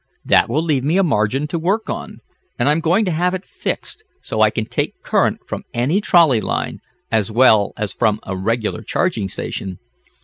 That will leave me a margin to work on. And I'm going to have it fixed so I can take current from any trolley line, as well as from a regular charging station.